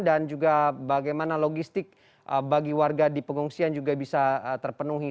dan juga bagaimana logistik bagi warga di pengungsian juga bisa terpenuhi